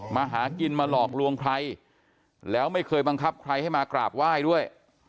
มาหากินมาหลอกลวงใครแล้วไม่เคยบังคับใครให้มากราบไหว้ด้วย